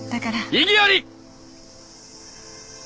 異議あり！